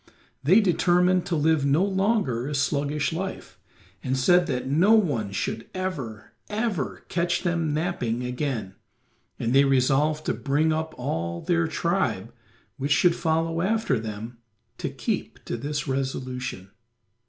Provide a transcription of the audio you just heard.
They determined to live no longer a sluggish life, and said that no one should ever, ever catch them napping again, and they resolved to bring up all their tribe which should follow after them to keep to this resolution.